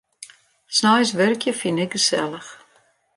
Sneins wurkje fyn ik gesellich.